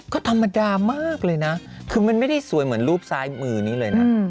ก็ธรรมดามากเลยนะคือมันไม่ได้สวยเหมือนรูปซ้ายมือนี้เลยนะ